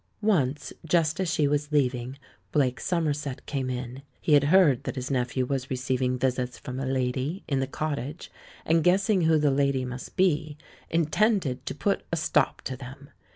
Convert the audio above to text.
Once, just as she was leaving, Blake Somerset came in. He had heard that his nephew was re ceiving visits from a "lady" in the cottage, and guessing who the lady must be, intended to put a stop to them.